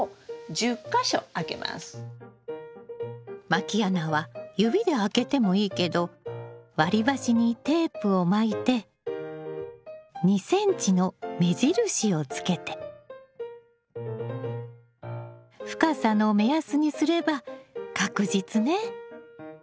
まき穴は指で開けてもいいけど割り箸にテープを巻いて２ｃｍの目印をつけて深さの目安にすれば確実ね。